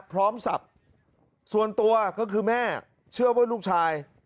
พร้อมศัพท์ส่วนตัวก็คือแม่เชื่อว่าลูกชาย